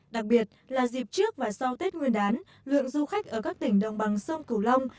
đặc biệt là dịp trước và sau tết nguyên đán lượng du khách ở các tỉnh đồng bằng sông cửu long